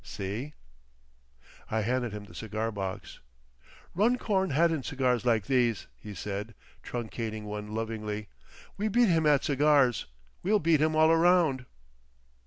See?" I handed him the cigar box. "Runcorn hadn't cigars like these," he said, truncating one lovingly. "We beat him at cigars. We'll beat him all round."